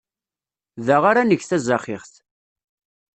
Da ara neg tazaxixt.